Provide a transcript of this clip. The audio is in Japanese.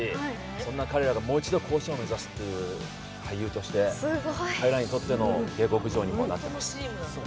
そんな彼らがもう一度、甲子園を目指すという俳優として、彼らにとっての下克上にもなっています。